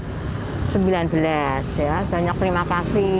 covid sembilan belas ya banyak terima kasih